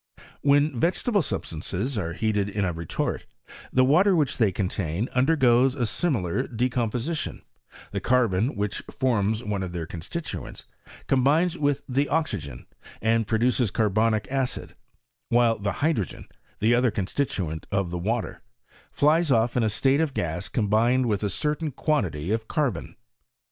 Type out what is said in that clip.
When vegetable substances are heated in a retort, the water which they contain undergoes a sunilar decomposition, the carbon wbich forma one of their constituents combines'with the oxygen and produces carbonic acid, while the hydrogen, the other constituent of the water, Hies off in the stata of gas combined with a certain quantity of carbon.